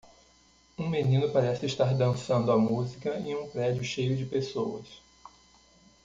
Um menino parece estar dançando a música em um prédio cheio de pessoas.